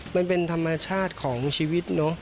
มันเป็นธรรมาชาติของชีวิต